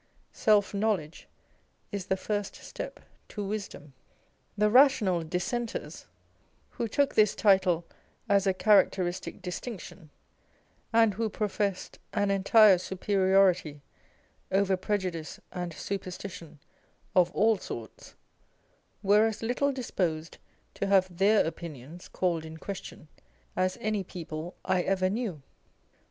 Self knowledge is the first step to wisdom. The Rational Dissenters (who took this title as a charac teristic distinction, and who professed an entire superiority over prejudice and superstition of all sorts,) were as little disposed to have their opinions called in question as any people I ever knew.